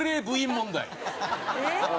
えっ？